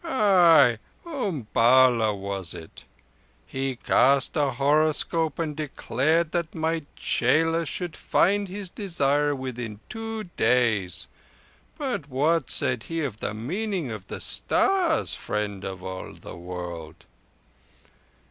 "Ay, Umballa was it? He cast a horoscope and declared that my chela should find his desire within two days. But what said he of the meaning of the stars, Friend of all the World?"